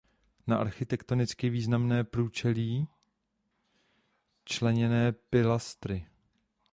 Má architektonicky významné průčelí členěné pilastry.